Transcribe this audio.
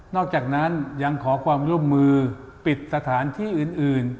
อกจากนั้นยังขอความร่วมมือปิดสถานที่อื่น